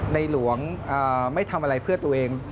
ในหลวงไม่ทำอะไรเพื่อตัวเอง